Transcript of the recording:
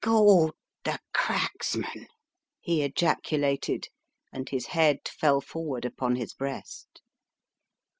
"God! the Cracksman," he ejaculated, and his head fell forward upon his breast.